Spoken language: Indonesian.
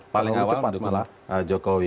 paling awal mendukung jokowi